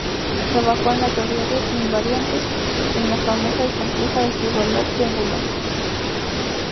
Trabajó en la teoría de invariantes y en la famosa y compleja Desigualdad triangular.